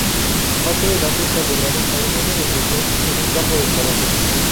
Más adelante es condenado a un año de prisión en un campo de trabajo.